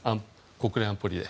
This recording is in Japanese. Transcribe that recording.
国連安保理で。